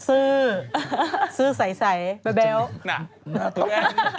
รู้ร้ายของกัน